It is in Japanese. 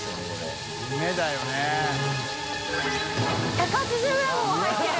１８０グラムも入ってる！